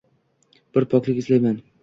Bir poklik izlayman